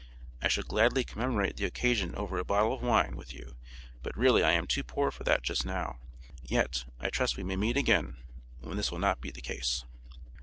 I should gladly commemorate the occasion over a bottle of wine with you but really I am too poor for that just now; yet, I trust we may meet again when this will not be the case.'